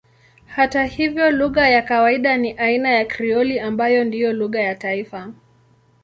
Hata hivyo lugha ya kawaida ni aina ya Krioli ambayo ndiyo lugha ya taifa.